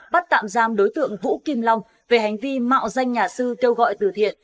bắt tạm giam đối tượng vũ kim long về hành vi mạo danh nhà sư kêu gọi từ thiện